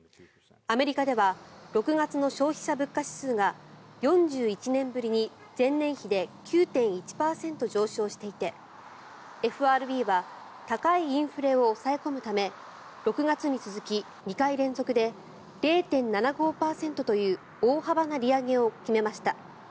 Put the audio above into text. アメリカでは６月の消費者物価指数が４１年ぶりに前年比で９．１％上昇していてＦＲＢは高いインフレを抑え込むため６月に続き、２回連続で０．７５％という大幅な利上げを決めました。